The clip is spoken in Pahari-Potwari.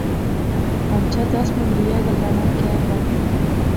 ہنچھا دس ماں دویا گلاہ ناں کہیہ وہا